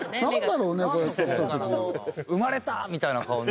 生まれた！みたいな顔に。